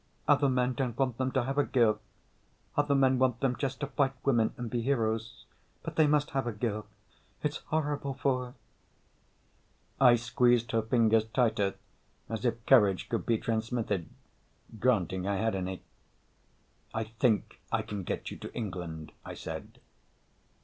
Other men don't want them to have a girl. Other men want them just to fight women and be heroes. But they must have a girl. It's horrible for her." I squeezed her fingers tighter, as if courage could be transmitted granting I had any. "I think I can get you to England," I said.